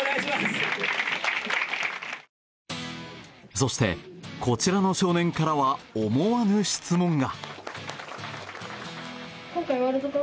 そして、こちらの少年からは思わぬ質問が。